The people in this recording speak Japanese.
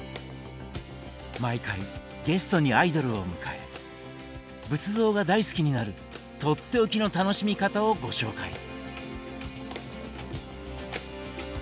毎回ゲストにアイドルを迎え仏像が大好きになるとっておきの楽しみ方をご紹介。